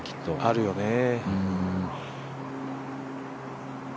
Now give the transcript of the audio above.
あるよね。